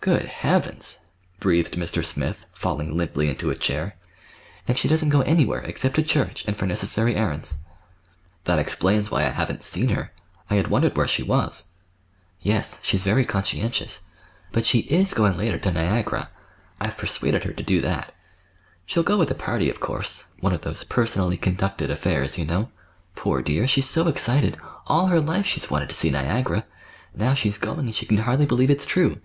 "Good Heavens!" breathed Mr. Smith, falling limply into a chair. "And she doesn't go anywhere, except to church, and for necessary errands." "That explains why I haven't seen her. I had wondered where she was." "Yes. She's very conscientious. But she is going later to Niagara. I've persuaded her to do that. She'll go with a party, of course,—one of those 'personally conducted' affairs, you know. Poor dear! she's so excited! All her life she's wanted to see Niagara. Now she's going, and she can hardly believe it's true.